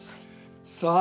さあ。